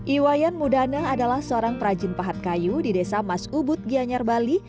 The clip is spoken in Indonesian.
iwayan mudana adalah seorang perajin pahat kayu di desa mas ubud gianyar bali